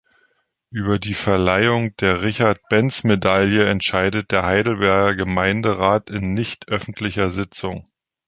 Über die Verleihung der Richard-Benz-Medaille entscheidet der Heidelberger Gemeinderat in nichtöffentlicher Sitzung.